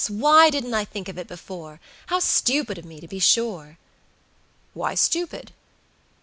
Why didn't I think of it before? How stupid of me, to be sure!" "Why stupid?"